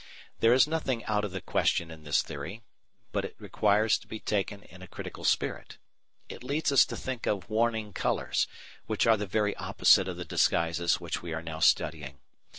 There is nothing out of the question in this theory, but it requires to be taken in a critical spirit. It leads us to think of "warning colours," which are the very opposite of the disguises which we are now studying.